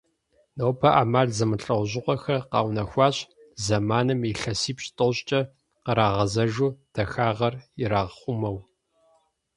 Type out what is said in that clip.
Нобэ Iэмал зэмылIэужьыгъуэхэр къэунэхуащ, зэманым илъэсипщI-тIощIкIэ кърагъэгъэзэжу, дахагъэр ирахъумэу.